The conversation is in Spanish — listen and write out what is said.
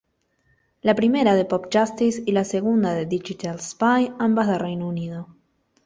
La primera, de PopJustice y la segunda de Digital Spy, ambas de Reino Unido.